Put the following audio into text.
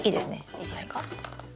いいですか？